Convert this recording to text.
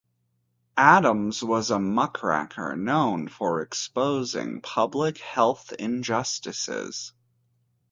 Adams was a muckraker, known for exposing public-health injustices.